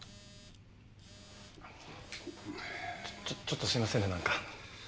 ちょっちょっとすいませんねなんか。